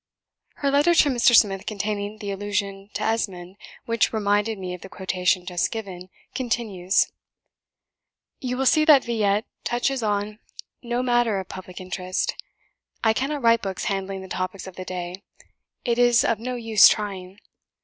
Her letter to Mr. Smith, containing the allusion to 'Esmond,' which reminded me of the quotation just given continues: "You will see that 'Villette' touches on no matter of public interest. I cannot write books handling the topics of the day; it is of no use trying.